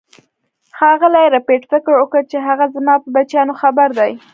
ښاغلي ربیټ فکر وکړ چې هغه زما په بچیانو خبر دی